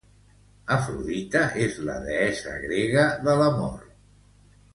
Afrodita és la deessa grega de l'amor.